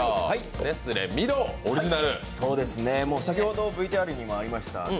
先ほどＶＴＲにもありました